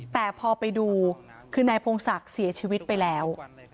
แต่พอไปดูคือนายพงศักดิ์เสียชีวิตไปแล้ว